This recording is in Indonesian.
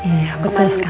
iya betul sekali